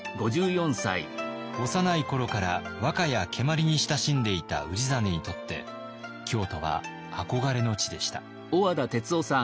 幼い頃から和歌や蹴鞠に親しんでいた氏真にとって京都は憧れの地でした。